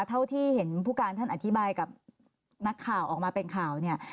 เท่าที่เห็นผู้การท่านอธิบายกับนักข่าวออกมาเป็นข่าวเนี่ย